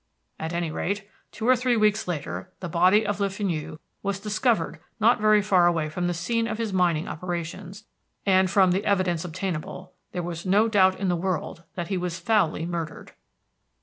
At any rate, two or three weeks later the body of Le Fenu was discovered not very far away from the scene of his mining operations, and from the evidence obtainable, there was no doubt in the world that he was foully murdered.